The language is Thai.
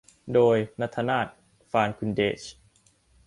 โดย ณัฐนาถ ฟาคุนเด๊ซ